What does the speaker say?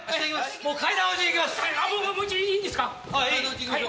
もう階段落ちにいきます。